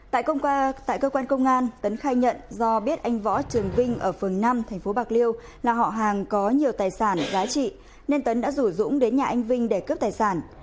tại cơ quan công an tấn khai nhận do biết anh võ trường vinh ở phường năm tp bạc liêu là họ hàng có nhiều tài sản giá trị nên tấn đã rủ dũng đến nhà anh vinh để cướp tài sản